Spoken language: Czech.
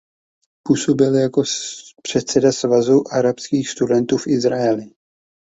Působil jako předseda Svazu arabských studentů v Izraeli.